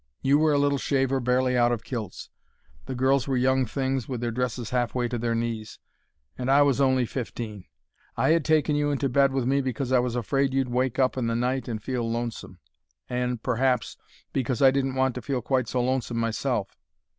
You were a little shaver barely out of kilts, the girls were young things with their dresses half way to their knees, and I was only fifteen. I had taken you into bed with me because I was afraid you'd wake up in the night and feel lonesome and, perhaps, because I didn't want to feel quite so lonesome myself.